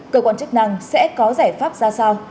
cơ quan chức năng sẽ có giải pháp ra sao